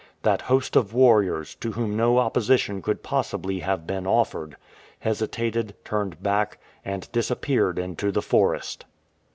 That host of warriors, to whom no opposition could possibly have been offered, hesitated, turned back, and disappeared into the forest.